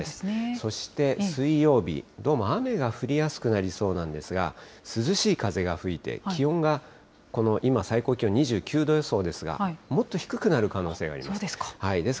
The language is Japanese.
そして水曜日、どうも雨が降りやすくなりそうなんですが、涼しい風が吹いて、気温がこの今、最高気温２９度予想ですが、もっと低くなる可能性があります。